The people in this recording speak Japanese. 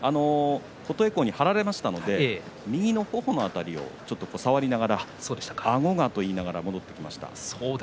琴恵光に張られましたので右のほおも辺りを、触りながらあごがと言いながら戻ってきました。